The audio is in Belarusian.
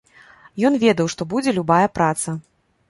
Ён ведаў, што будзе любая праца.